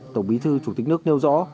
tổng bí thư chủ tịch nước nêu rõ